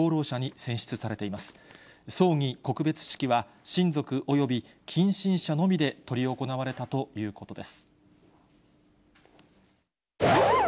葬儀・告別式は、親族および近親者のみで執り行われたということです。